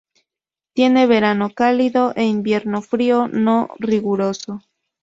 Tiene verano cálido e invierno frío, no riguroso.